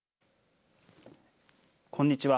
こんにちは。